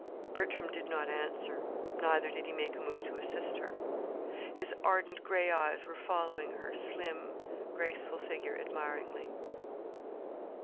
Bertram did not answer. Neither did he make a move to assist her. His ardent gray eyes were following her slim, graceful figure admiringly.